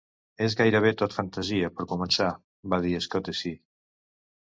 "És gairebé tot fantasia, per començar", va dir Scotese.